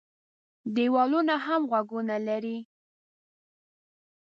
دېوالونو هم غوږونه لري.